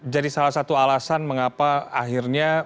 jadi salah satu alasan mengapa akhirnya